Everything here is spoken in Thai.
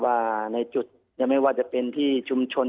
ว่าในจุดยังไม่ว่าจะเป็นที่ชุมชน